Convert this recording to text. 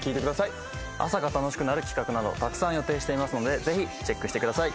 朝が楽しくなる企画などたくさん予定していますのでぜひチェックしてください。